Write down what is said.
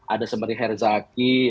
ada seperti herzaki